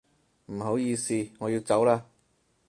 唔好意思，我要走啦